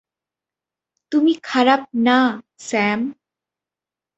তুমি খারাপ না, স্যাম।